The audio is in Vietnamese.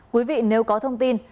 quý vị nếu có thông tin